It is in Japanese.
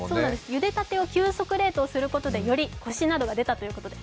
ゆでたてを急速冷凍することで、より、こしなどが出たということです。